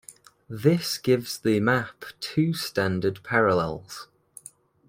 This gives the map two standard parallels.